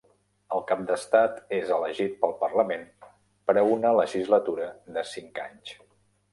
El cap d'estat és elegit pel parlament per a una legislatura de cinc anys.